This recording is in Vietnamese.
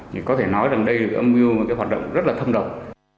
chỉ có thể nói rằng đây là cái âm mưu cái hoạt động rất là thâm động